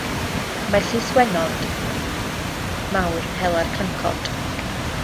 Mae'r llyswennod mawr yn hela'r crancod.